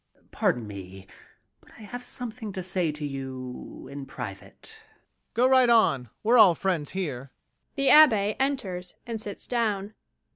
Pardon me, but I have something to say to you in private. MAURICE. Go right on. We are all friends here. (The ABBÉ enters and sits down.)